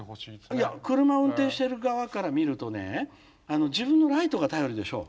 いや車運転してる側から見るとね自分のライトが頼りでしょう。